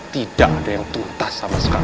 tidak ada yang tuntas sama sekali